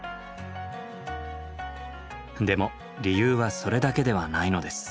でも理由はそれだけではないのです。